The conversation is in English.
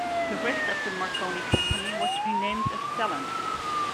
The rest of the Marconi company was renamed as Telent.